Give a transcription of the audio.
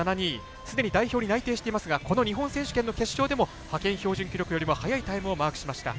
すでに代表に内定していますがこの日本選手権の決勝でも派遣標準記録よりも早いタイムをマークしました。